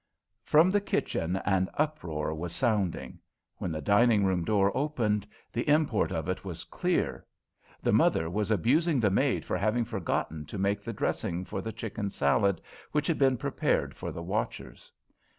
From the kitchen an uproar was sounding; when the dining room door opened, the import of it was clear. The mother was abusing the maid for having forgotten to make the dressing for the chicken salad which had been prepared for the watchers.